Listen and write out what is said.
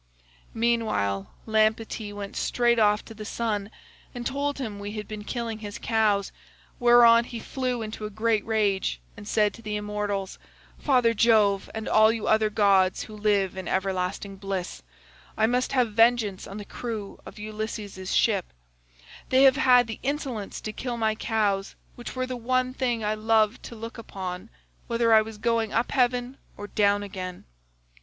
"Meanwhile Lampetie went straight off to the sun and told him we had been killing his cows, whereon he flew into a great rage, and said to the immortals, 'Father Jove, and all you other gods who live in everlasting bliss, I must have vengeance on the crew of Ulysses' ship: they have had the insolence to kill my cows, which were the one thing I loved to look upon, whether I was going up heaven or down again.